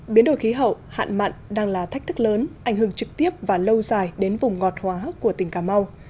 biến đổi khí hậu hạn mặn đang là thách thức lớn ảnh hưởng trực tiếp và lâu dài đến vùng ngọt hóa của tỉnh cà mau